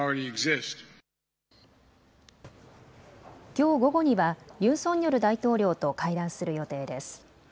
きょう午後にはユン・ソンニョル大統領と会談する予定です。